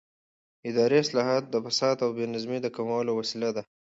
اداري اصلاحات د فساد او بې نظمۍ د کمولو وسیله دي